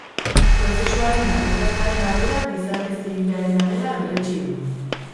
Prozesuaren arrakastaren ardura gizarte zibilarena dela berretsi du.